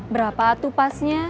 berapa tuh pasnya